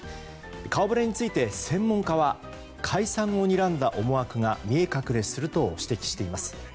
顔ぶれについて、専門家は解散をにらんだ思惑が見え隠れすると指摘しています。